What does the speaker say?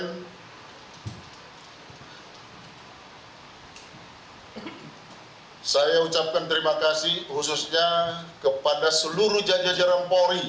dan saya ucapkan terima kasih khususnya kepada seluruh jajaran